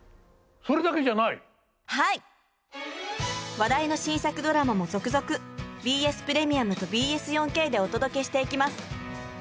話題の新作ドラマも続々ＢＳプレミアムとＢＳ４Ｋでお届けしていきます。